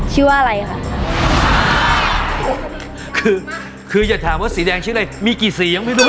คือคืออย่าถามว่าสีแดงชื่ออะไรมีกี่สียังไม่รู้